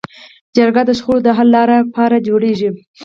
جرګه د شخړو د حل لپاره جوړېږي